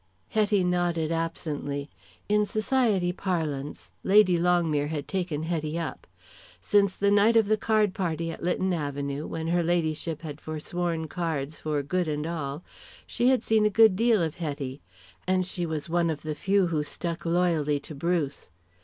Hetty nodded absently; in society parlance Lady Longmere had taken Hetty up. Since the night of the card party at Lytton Avenue, when her ladyship had foresworn cards for good and all, she had seen a good deal of Hetty. And she was one of the few who stuck loyally to Bruce.